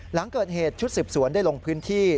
หลังเกิดเหตุชุดสืบสวนได้ลงพื้นที่